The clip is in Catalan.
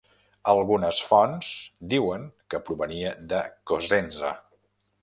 Algunes fonts diuen que provenia de Cosenza.